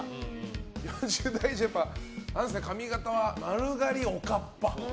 ４０代以上、やっぱり髪型は丸刈り、おかっぱ。